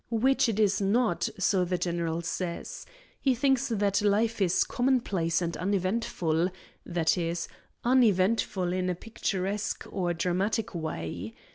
Which it is not, so the general says. He thinks that life is commonplace and uneventful that is, uneventful in a picturesque or dramatic way.